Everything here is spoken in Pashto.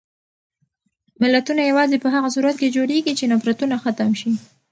ملتونه یوازې په هغه صورت کې جوړېږي چې نفرتونه ختم شي.